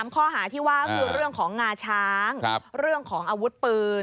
ข้อหาที่ว่าคือเรื่องของงาช้างเรื่องของอาวุธปืน